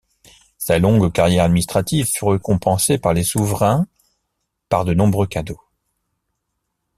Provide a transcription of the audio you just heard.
Sa longue carrière administrative fut récompensée par les souverains par de nombreux cadeaux.